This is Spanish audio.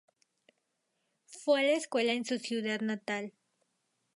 Fue a la escuela en su ciudad natal.